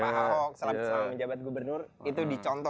pak ho selama menjabat gubernur itu di contoh